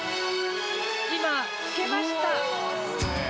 今付けました！